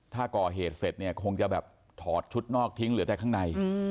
ถ้าก่อเหตุเสร็จเนี่ยคงจะแบบถอดชุดนอกทิ้งเหลือแต่ข้างใน